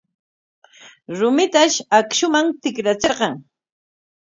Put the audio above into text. Rumitash akshuman tikrachirqan.